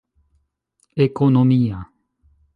ekonomia